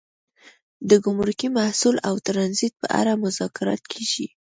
د ګمرکي محصول او ټرانزیټ په اړه مذاکرات کیږي